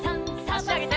あしあげて。